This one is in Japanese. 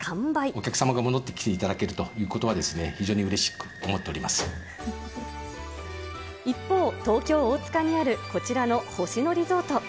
お客様が戻ってきていただけるというのは、非常にうれしく思一方、東京・大塚にあるこちらの星野リゾート。